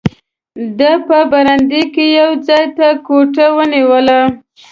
ده په برنډه کې یو ځای ته ګوته ونیوله.